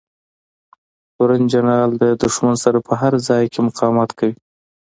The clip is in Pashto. تورن جنرال د دښمن سره په هر ځای کې مقاومت کوي.